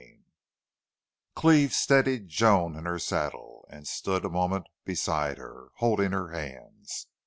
20 Cleve steadied Joan in her saddle, and stood a moment beside her, holding her hands.